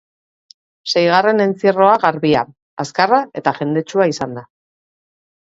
Seigarren entzierroa garbia, azkarra eta jendetsua izan da.